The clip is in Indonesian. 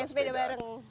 main sepeda bareng